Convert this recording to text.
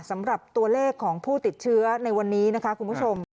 สำหรับตัวเลขของผู้ติดเชื้อในวันนี้นะคะคุณผู้ชม